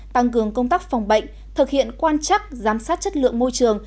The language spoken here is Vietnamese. tăng cường công tác phòng bệnh thực hiện quan chắc giám sát chất lượng môi trường